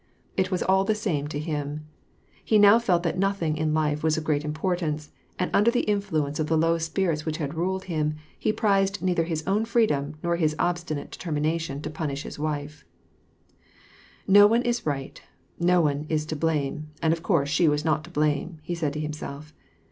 It was all the same to him. He now felt that nothing in life was of great importance, and under the influence of the low spirits which had ruled him, he prized neither his own freedom nor his obstinate determina tion to punish his wife. " Ko one is right, no one is to blame, and of course she was not to blame," he said to himself.